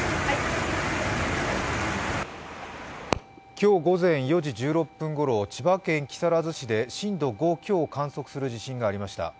今日午前４時１６分頃千葉県木更津市で震度５強を観測する地震がありました。